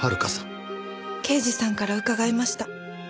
刑事さんから伺いました。